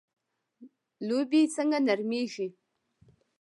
لوبیې څنګه نرمیږي؟